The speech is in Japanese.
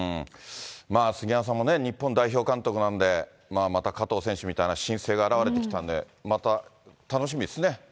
杉山さんもね、日本代表監督なんで、また加藤選手みたいな新星が現れてきたんで、また楽しみですね。